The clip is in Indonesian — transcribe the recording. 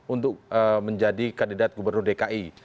untuk menjadi kandidat gubernur dki